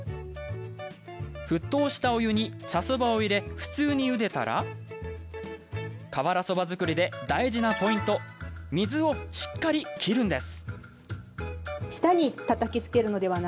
沸騰したお湯に茶そばを入れ普通にゆでたら瓦そば作りで大事なポイント水をしっかり切るんです。